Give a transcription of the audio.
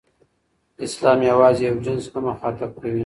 اسلام یوازې یو جنس نه مخاطب کوي.